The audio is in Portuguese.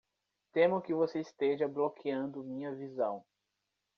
Temo que você esteja bloqueando minha visão.